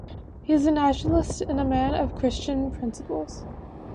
He is a nationalist and a man of Christian principles.